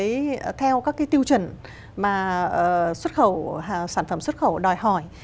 sản xuất theo các cái tiêu chuẩn mà sản phẩm xuất khẩu đòi hỏi